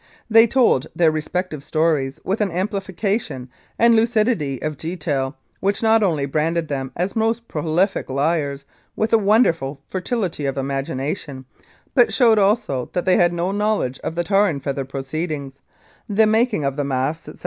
They told their respective stories with an amplification and lucidity of detail, which not only branded them as most prolific liars with a wonderful fertility of imagination, but showed also that they had no knowledge of the tar and feather proceedings, the making of the masks, etc.